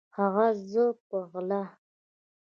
هغه زه په غلا